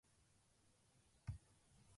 秋田県能代市